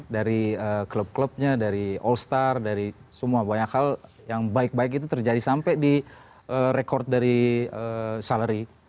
dari klub klubnya dari all star dari semua banyak hal yang baik baik itu terjadi sampai di rekod dari salary